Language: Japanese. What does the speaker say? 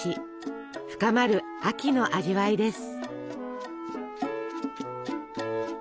深まる秋の味わいです。